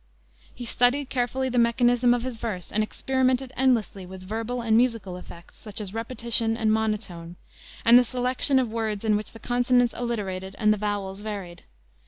He studied carefully the mechanism of his verse and experimented endlessly with verbal and musical effects, such as repetition, and monotone, and the selection of words in which the consonants alliterated and the vowels varied.